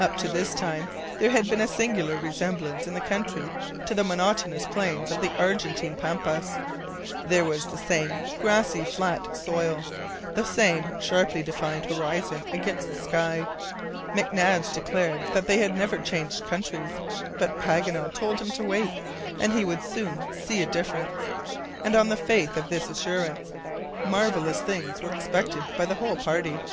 Up to this time there had been a singular resemblance in the country to the monotonous plains of the Argentine Pampas. There was the same grassy flat soil, the same sharply defined horizon against the sky. McNabbs declared they had never changed countries; but Paganel told him to wait, and he would soon see a difference. And on the faith of this assurance marvelous things were expected by the whole party.